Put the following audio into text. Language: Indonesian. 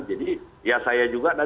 jadi ya saya juga nanti akan